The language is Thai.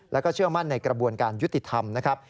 แล้วก็เชื่อมั่นในกระบวนการยุติธรรมนะครับ